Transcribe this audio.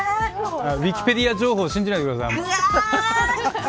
ウィキペディア情報を信じないでください。